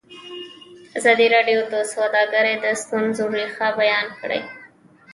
ازادي راډیو د سوداګري د ستونزو رېښه بیان کړې.